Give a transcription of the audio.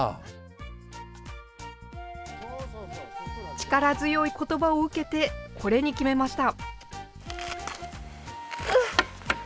力強いことばを受けてこれに決めました。